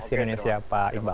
sini indonesia pak iqbal